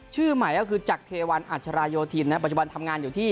ชื่อใหม่ก็คือจักรเทวันอัชราโยธินปัจจุบันทำงานอยู่ที่